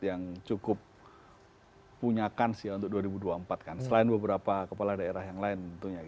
yang cukup punyakan sih untuk dua ribu dua puluh empat kan selain beberapa kepala daerah yang lain